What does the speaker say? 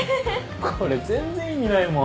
これ全然意味ないもん。